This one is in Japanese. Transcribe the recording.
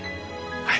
はい。